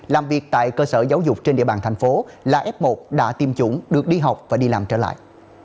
làm việc tại cơ sở giáo dục trên địa bàn thành phố là f một đã tiêm chủng được đi học và đi làm trở lại